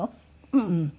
うん。